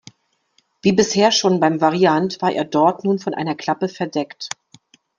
Wie bisher schon beim Variant war er dort nun von einer Klappe verdeckt.